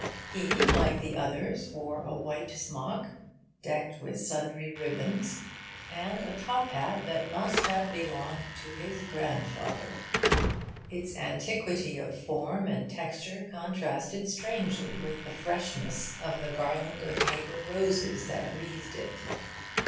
He, like the others, wore a white smock decked with sundry ribands, and a top hat that must have belonged to his grandfather. Its antiquity of form and texture contrasted strangely with the freshness of the garland of paper roses that wreathed it.